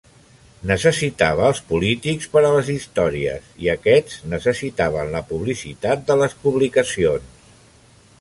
Necessitava els polítics per a les històries i aquests necessitaven la publicitat de les publicacions.